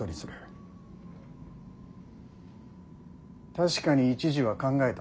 確かに一時は考えた。